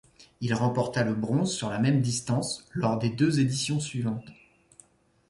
Il remporta le bronze sur la même distance lors des deux éditions suivantes.